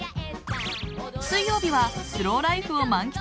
水曜日はスローライフを満喫